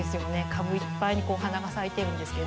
株いっぱいにお花が咲いてるんですけど。